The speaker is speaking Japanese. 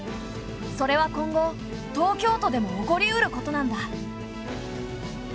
それは今後東京都でも起こりうることなんだ。